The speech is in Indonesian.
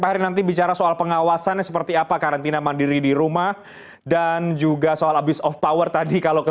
jadi diskresi itu landasannya apa sangat berbahaya kalau pejabat itu diberi diskresi tapi juga keluarganya sedangkan peraturannya tidak ada